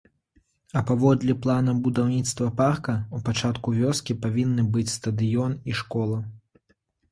А паводле плана будаўніцтва парка, у пачатку вёскі павінны быць стадыён і школа.